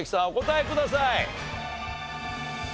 お答えください。